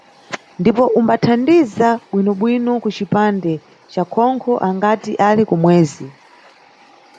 Ndipo umbathandiza bwinobwino kucipande ca khonkho angati ali kumwezi.